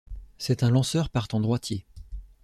C'est un lanceur partant droitier.